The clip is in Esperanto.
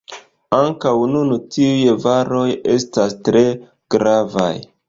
Ankaŭ nun tiuj varoj estas tre gravaj.